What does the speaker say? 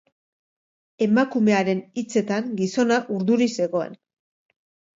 Emakumearen hitzetan, gizona urduri zegoen.